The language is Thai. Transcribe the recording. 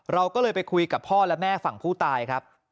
เราก็เลยไปคุยกับพ่อและแม่ฝั่งผู้ตายครับ